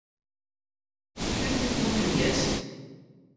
Der Film blieb unprämiert.